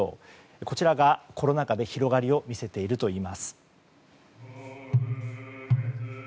こちらがコロナ禍で広がりを見せているといいます。